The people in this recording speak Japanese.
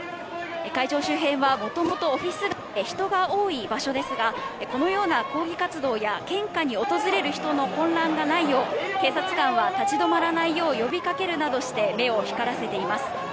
会場周辺はもともとオフィス街で、人が多い場所ですが、このような抗議活動や献花に訪れる人の混乱がないよう、警察官は立ち止まらないよう呼びかけるなどして、目を光らせています。